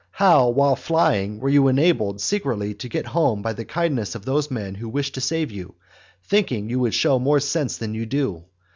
How, while flying, were you enabled secretly to get home by the kindness of those men who wished to save you, thinking you would show more sense than you do!